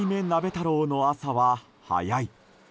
太郎の朝は早い。